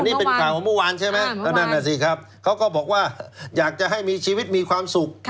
อันนี้เป็นข่าวเมื่อวานใช่ไหมอันนั้นสิครับเขาก็บอกว่าอยากจะให้ชีวิตมีความสุข